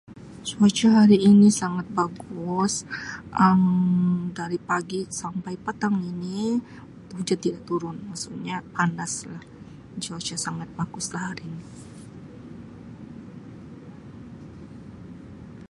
Cuaca hari ini sangat bagus Um dari pagi sampai patang ini hujan tidak turun, maksudnya panaslah. Cuaca sangat baguslah hari ini.